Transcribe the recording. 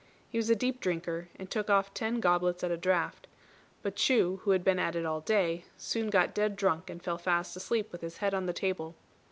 He was a deep drinker, and took off ten goblets at a draught; but Chu who had been at it all day, soon got dead drunk and fell fast asleep with his head on the table.